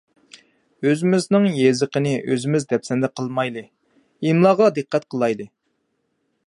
ئۆزىمىزنىڭ يېزىقىنى ئۆزىمىز دەپسەندە قىلمايلى! ئىملاغا دىققەت قىلايلى!